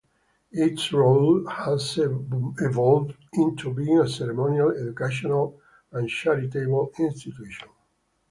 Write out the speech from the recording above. Its role has evolved into being a ceremonial, educational and charitable institution.